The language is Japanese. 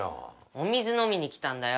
お水のみに来たんだよ。